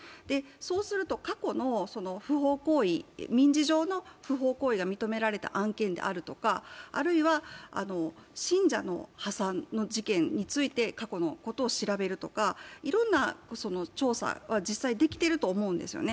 そうすると過去の不法行為民事上の不法行為が認められた案件であるとかあるいは、信者の破産について過去のことを調べるとかいろんな調査は実際できていると思うんですね。